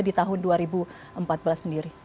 di tahun dua ribu empat belas sendiri